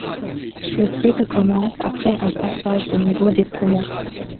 Le cycle commence après un passage au niveau des poumons.